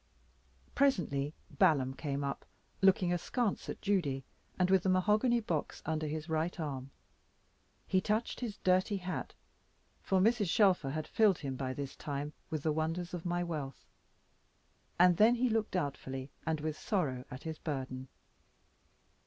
Presently Balaam came up, looking askance at Judy, and with the mahogany box under his right arm. He touched his dirty hat, for Mrs. Shelfer had filled him by this time with the wonders of my wealth, and then he looked doubtfully, and with sorrow, at his burden.